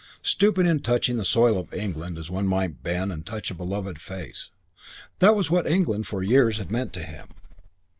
Stooping and touching the soil of England as one might bend and touch a beloved face. That was what England for years had meant to him.